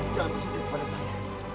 jangan bersujud kepada saya